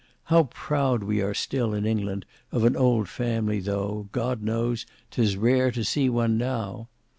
How proud we are still in England of an old family, though, God knows, 'tis rare to see one now.